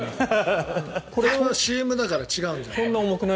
これはＣＭだから違うんじゃない？